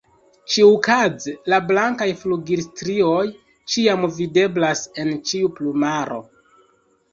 Ĉiukaze la blankaj flugilstrioj ĉiam videblas en ĉiu plumaro.